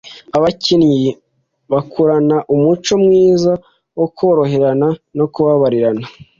abakinnyi bakurana umuco mwiza wo koroherana no kubabarirana,